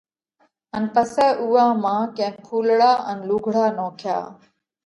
ان پسئہ اُوئا مانه ڪينڪ ڦُولڙا ان لُوگھڙا نوکيا۔